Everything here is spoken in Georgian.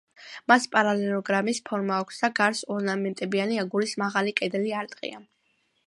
მას პარალელოგრამის ფორმა აქვს და გარს ორნამენტებიანი, აგურის მაღალი კედელი არტყია.